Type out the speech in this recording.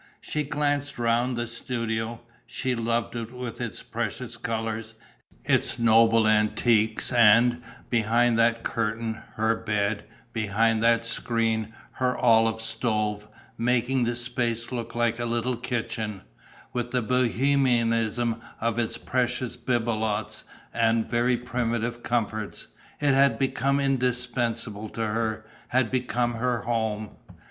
She glanced round the studio. She loved it with its precious colours, its noble antiques and, behind that curtain, her bed, behind that screen, her oil stove, making the space look like a little kitchen; with the Bohemianism of its precious bibelots and very primitive comforts, it had become indispensable to her, had become her home.